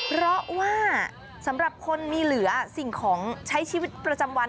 เพราะว่าสำหรับคนมีเหลือสิ่งของใช้ชีวิตประจำวัน